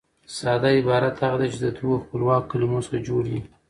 ساده عبارت هغه دئ، چي د دوو خپلواکو کلیمو څخه جوړ يي.